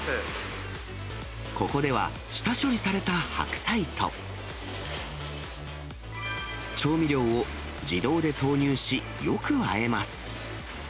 ここでは、下処理された白菜と、調味料を自動で投入し、よくあえます。